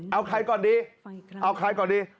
เอาใครก่อนดีเอาใครก่อนดี